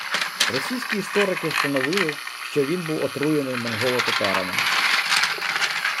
Російські історики встановили, що він був отруєний монголо-татарами